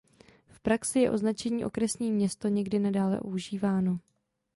V praxi je označení okresní město někdy nadále užíváno.